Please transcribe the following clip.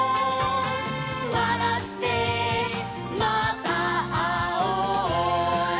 「わらってまたあおう」